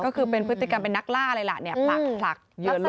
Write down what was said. ก็คือเป็นพฤติกรรมเป็นนักล่าอะไรแหละเนี่ยผลักเหยื่อล้ม